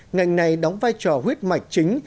ngành này đóng vai trò huyết mạch chính